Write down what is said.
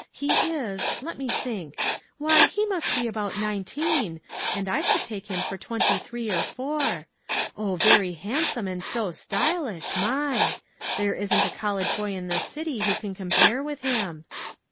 He is, let me think why, he must be about nineteen, and I should take him for twenty three or four. Oh, very handsome and so stylish, my! There isn't a college boy in this city who can compare with him."